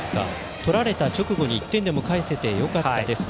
取られた直後に１点でも返せてよかったですと。